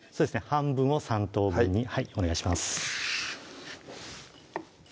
半分を３等分にお願いします